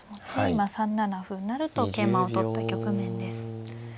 今３七歩成と桂馬を取った局面です。